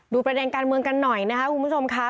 ประเด็นการเมืองกันหน่อยนะคะคุณผู้ชมค่ะ